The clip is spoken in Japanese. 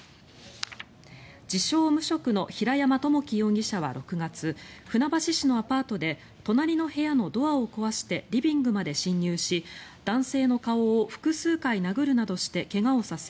自称・無職の平山智樹容疑者は６月船橋市のアパートで隣の部屋のドアを壊してリビングまで侵入し男性の顔を複数回殴るなどして怪我をさせ